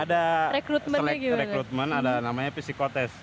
ada selektif rekrutmen namanya psikotest